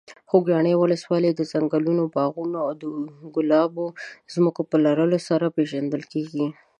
خوږیاڼي ولسوالۍ د ځنګلونو، باغونو او د ګلابو ځمکو په لرلو پېژندل کېږي.